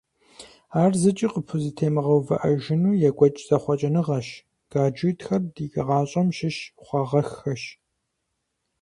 Ар зыкӀи къыпхузэтемыгъэувыӀэжыну екӀуэкӀ зэхъуэкӀыныгъэщ, гаджетхэр ди гъащӀэм щыщ хъуагъэххэщ.